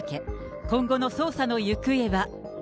今後の捜査の行方は。